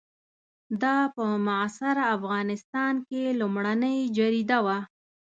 دا په معاصر افغانستان کې لومړنۍ جریده وه.